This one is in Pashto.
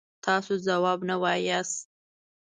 تاسو ځواب نه وایاست.